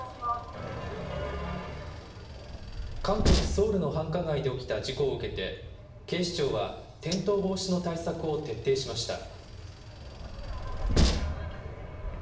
韓国・ソウルの繁華街で起きた事故を受けて、警視庁は転倒防止の対策を徹底しました。